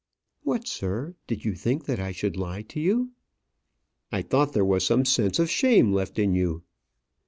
"What, sir, did you think that I should lie to you?" "I thought there was some sense of shame left in you."